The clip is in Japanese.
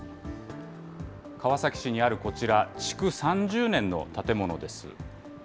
川崎市にあるこちら、築３０年の建物です。